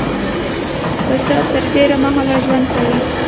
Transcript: پسه تر ډېره مهاله ژوند کوي.